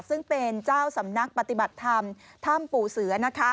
ซึ่งเป็นเจ้าสำนักปฏิบัติธรรมถ้ำปู่เสือ